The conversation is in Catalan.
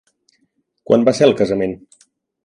Quan va ser el casament?